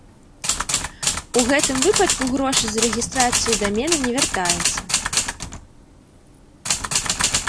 У гэтым выпадку грошы за рэгістрацыю дамена не вяртаюцца.